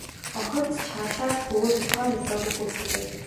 Охид чарлаад л бүгд ухаан жолоогүй гүйцгээлээ.